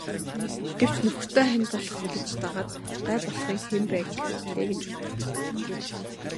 Гэвч нөхөртөө хань болох гэж дагаад гай болохыг хэн байг гэх билээ гэж бодов.